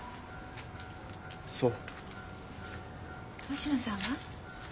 星野さんは？